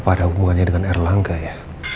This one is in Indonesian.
apa ada hubungannya dengan erlangga ya